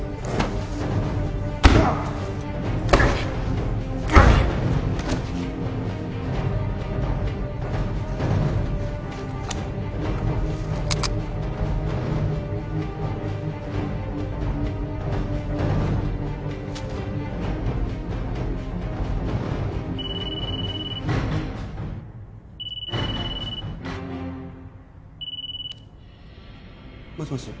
うわっ！もしもし。